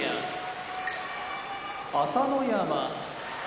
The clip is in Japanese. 朝乃山